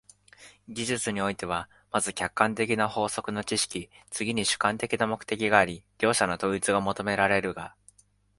技術においては、まず客観的な法則の知識、次に主観的な目的があり、両者の統一が求められるが、